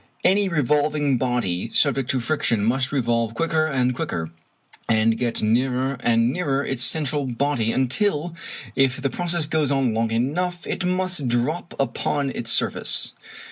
Any revolving body subject to friction must revolve quicker and quicker, and get nearer and nearer its central body, until, if the process goes on long enough, it must drop upon its surface.